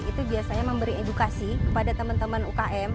itu biasanya memberi edukasi kepada teman teman ukm